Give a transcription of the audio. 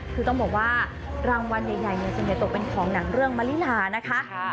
คือต้องบอกว่ารางวัลใหญ่ส่วนใหญ่ตกเป็นของหนังเรื่องมะลิลานะคะ